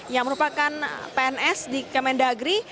yang merupakan pns di kementerian dalam negeri